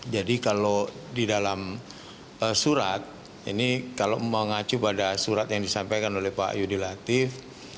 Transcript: jadi kalau di dalam surat ini kalau mengacu pada surat yang disampaikan oleh pak yudi latif